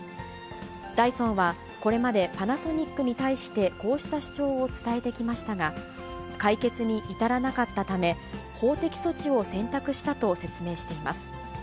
ダイソンはこれまで、パナソニックに対してこうした主張を伝えてきましたが、解決に至らなかったため、法的措置を選択したと説明しています。